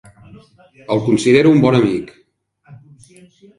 El considero un bon amic.